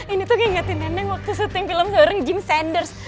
ini tuh ingetin nenek waktu syuting film seorang gym sanders